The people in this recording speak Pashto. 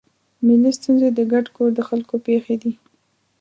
ملي ستونزې د ګډ کور د خلکو پېښې دي.